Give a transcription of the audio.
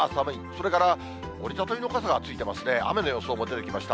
それから折り畳みの傘がついてますね、雨の予想も出てきました。